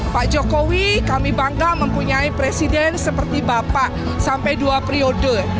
pak jokowi kami bangga mempunyai presiden seperti bapak sampai dua periode